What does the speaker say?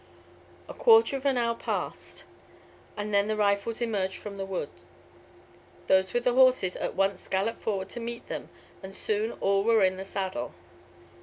A quarter of an hour passed, and then the rifles emerged from the wood. Those with the horses at once galloped forward to meet them, and soon all were in the saddle.